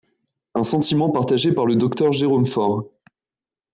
Un sentiment partagé par le Dr Jérôme Faure.